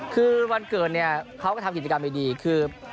คือวันเกิดเนี่ยเขาก็ทำกิจกรรมดีคือ